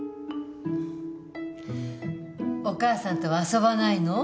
お母さんとは遊ばないの？